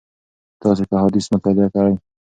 تاسي که احاديث مطالعه کړئ